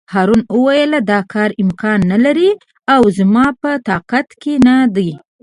هارون وویل: دا کار امکان نه لري او زما په طاقت کې نه دی.